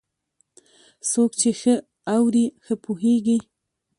څوک چې ښه اوري، ښه پوهېږي.